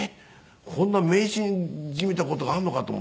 こんな迷信じみた事があるのかと思って。